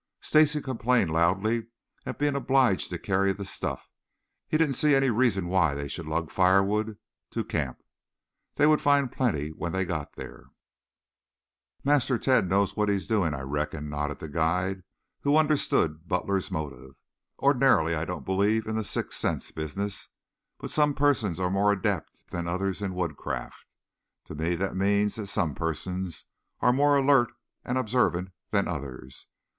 Stacy complained loudly at being obliged to carry the stuff. He didn't see any reason why they should lug firewood to camp. They would find plenty when they got there. "Master Tad knows what he is doing, I reckon," nodded the guide, who understood Butler's motive. "Ordinarily I don't believe in the sixth sense business, but some persons are more adept than others in woodcraft. To me that means that some persons are more alert and observant than others.